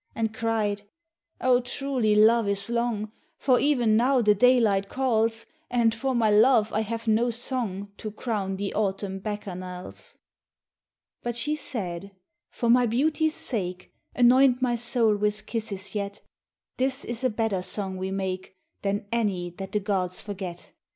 And cried, u Oh ! truly love is long, For even now the daylight calls, And for my love I have no song To crown the autumn Bacchanals." But she said, " For my beauty's sake Anoint my soul with kisses yet, This is a better song we make Than any that the gods forget !